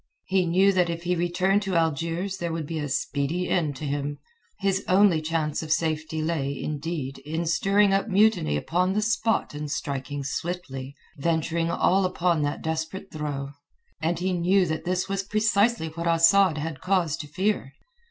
He knew that if he returned to Algiers there would be a speedy end to him. His only chance of safety lay, indeed, in stirring up mutiny upon the spot and striking swiftly, venturing all upon that desperate throw. And he knew that this was precisely what Asad had cause to fear.